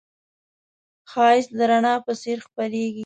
ښایست د رڼا په څېر خپرېږي